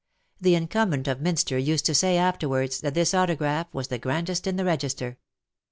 The incumbent o£ Minster used to say afterwards that this autograph was the grandest in the register.